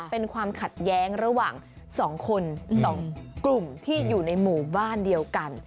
เป็นความขัดแย้งระหว่าง๒คน๒กลุ่มที่อยู่ในหมู่บ้านเดียวกัน